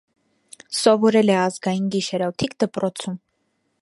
Սովորել է ազգային գիշերօթիկ դպրոցում։